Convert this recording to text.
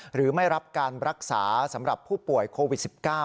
หรือไม่รับการรักษาสำหรับผู้ป่วยโควิด๑๙